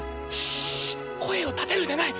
しっ声を立てるでない。